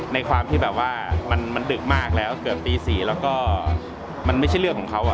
ในความที่แบบว่ามันดึกมากแล้วเกือบตี๔แล้วก็มันไม่ใช่เรื่องของเขา